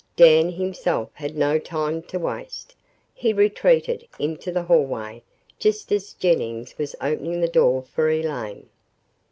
Dan himself had no time to waste. He retreated into the hallway just as Jennings was opening the door for Elaine.